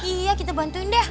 iya kita bantuin dia